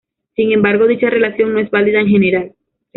Sin embargo, dicha relación no es válida en general.